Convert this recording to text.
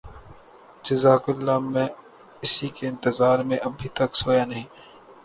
جزاک اللہ میں اسی کے انتظار میں ابھی تک سویا نہیں